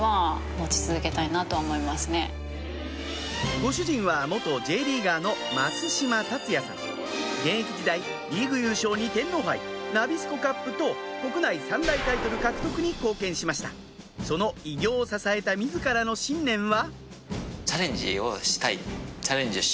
ご主人は元Ｊリーガーの現役時代リーグ優勝に天皇杯ナビスコカップと国内三大タイトル獲得に貢献しましたその偉業を支えた自らの信念は？